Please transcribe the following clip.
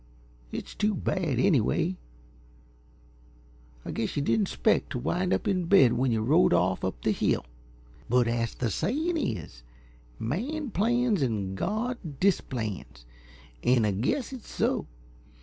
It's too bad, anyway. I guess yuh didn't expect t' wind up in bed when yuh rode off up the hill. But as the sayin' is: 'Man plans an' God displans,' an' I guess it's so.